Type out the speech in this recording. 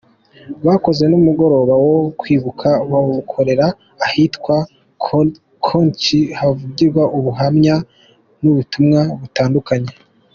Bakoze n’umugoroba wo kwibuka, bawukorera ahitwa Kontich, havugirwa ubuhamya, n’ubutumwa butandukanye.